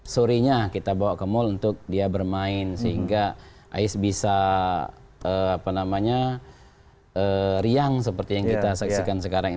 surinya kita bawa ke mall untuk dia bermain sehingga ais bisa apa namanya riang seperti yang kita saksikan sekarang ini